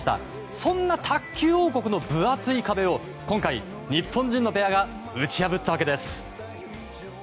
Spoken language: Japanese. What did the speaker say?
そんな卓球王国の分厚い壁を今回、日本人のペアが打ち破ったわけです。